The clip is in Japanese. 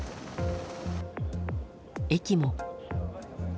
駅も。